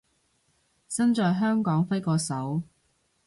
身在香港揮個手